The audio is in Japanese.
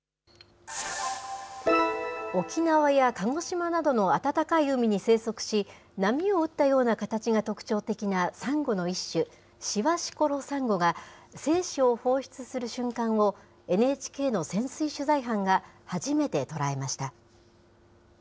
沖縄や鹿児島などの暖かい海に生息し、波を打ったような形が特徴的なサンゴの一種、シワシコロサンゴが精子を放出する瞬間を、ＮＨＫの潜水取材班が初めて捉えました。